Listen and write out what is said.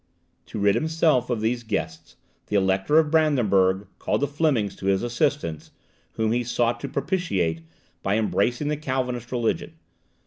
To rid himself of these guests, the Elector of Brandenburg called the Flemings to his assistance, whom he sought to propitiate by embracing the Calvinist religion.